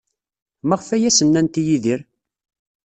Maɣef ay as-nnant i Yidir?